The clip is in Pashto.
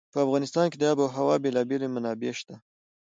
په افغانستان کې د آب وهوا بېلابېلې منابع شته.